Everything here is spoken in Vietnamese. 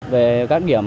về các nghiệm lúc